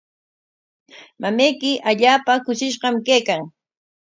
Mamayki allaapa kushishqam kaykan.